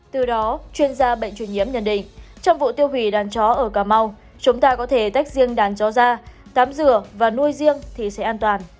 từ đó chuyên gia bệnh truyền nhiễm nhận định trong vụ tiêu hủy đàn chó ở cà mau chúng ta có thể tách riêng đàn chó da tám dừa và nuôi riêng thì sẽ an toàn